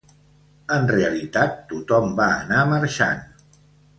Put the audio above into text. En realitat tothom va anar marxant.